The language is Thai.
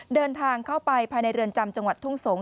เดินทางเข้าไปภายในเรือนจำจังหวัดทุ่งสงศ